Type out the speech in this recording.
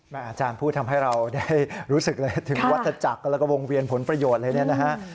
อาจารย์พูดทำให้เราได้รู้สึกเลยถึงวัตถจักรแล้วก็วงเวียนผลประโยชน์เลยเนี่ยนะฮะ